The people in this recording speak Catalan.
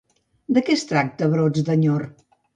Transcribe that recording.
De què es tracta Brots d'enyor?